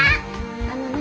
あのね。